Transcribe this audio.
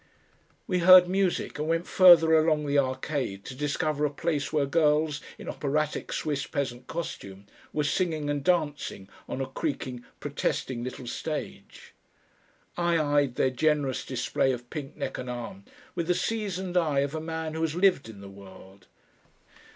We heard music, and went further along the arcade to discover a place where girls in operatic Swiss peasant costume were singing and dancing on a creaking, protesting little stage. I eyed their generous display of pink neck and arm with the seasoned eye of a man who has lived in the world.